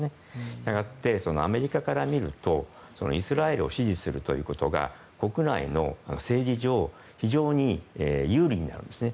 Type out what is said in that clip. したがってアメリカから見るとイスラエルを支持するということは国内の政治上非常に有利になるんですね。